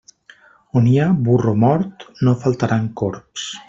On hi ha burro mort no faltaran corbs.